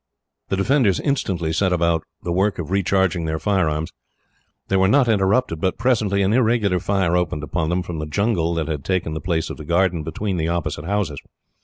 The defenders instantly set about the work of recharging their firearms. They were not interrupted, but presently an irregular fire opened upon them, from the jungle that had taken the place of the garden between the opposite houses.